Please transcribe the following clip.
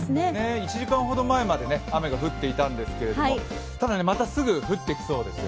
１時間ほど前まで雨は降っていたんですけれどもただね、またすぐ降ってきそうですよ。